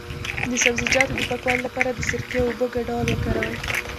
د سبزیجاتو د پاکوالي لپاره د سرکې او اوبو ګډول وکاروئ